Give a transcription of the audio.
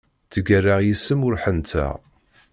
Ttgallaɣ yis-m ur ḥenteɣ.